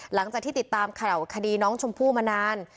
หลังจากที่ติดตามข่าวคดีน้องชมพู่มานาน